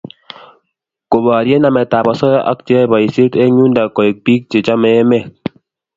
Koborie nametab osoya ak cheyoe boisiet eng yundo koek bik chechomei emet